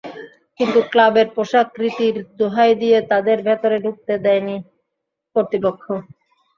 কিন্তু ক্লাবের পোশাক রীতির দোহাই দিয়ে তাঁদের ভেতরে ঢুকতে দেয়নি কর্তৃপক্ষ।